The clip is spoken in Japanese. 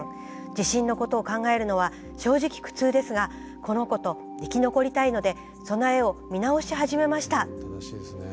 地震のことを考えるのは正直苦痛ですがこの子と生き残りたいので備えを見直し始めました」といった